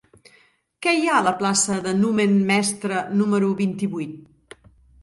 Què hi ha a la plaça de Numen Mestre número vint-i-vuit?